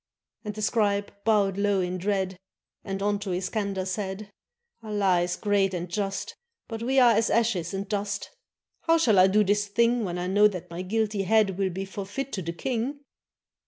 And the scribe bowed low in dread, And unto Iskander said : 475 TURKEY "Allah is great and just, But we are as ashes and dust; How shall I do this thing, When I know that my guilty head Will be forfeit to the king?"